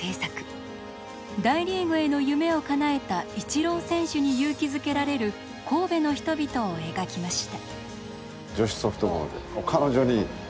大リーグへの夢をかなえたイチロー選手に勇気づけられる神戸の人々を描きました。